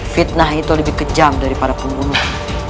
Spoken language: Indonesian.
fitnah itu lebih kejam daripada pembunuh